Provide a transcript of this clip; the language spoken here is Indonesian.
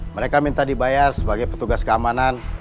mereka minta dibayar sebagai petugas keamanan